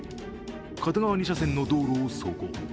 片側２車線の道路を走行。